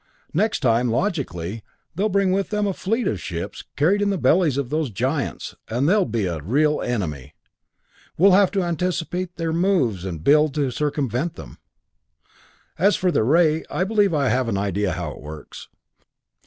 Next time, logically, they'll bring with them a fleet of little ships, carried in the bellies of those giants, and they'll be a real enemy. We'll have to anticipate their moves and build to circumvent them. "As for their ray, I believe I have an idea how it works.